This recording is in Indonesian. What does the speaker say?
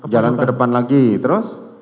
jalan ke depan lagi terus